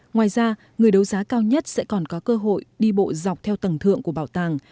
ngoài ra người đấu giá cao nhất sẽ còn có cơ hội đi bộ dọc theo tầng thượng của bảo tàng